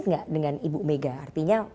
enggak dengan ibu mega artinya